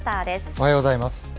おはようございます。